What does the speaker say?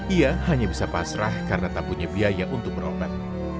ia hanya bisa pasrah karena tak punya biaya untuk berobat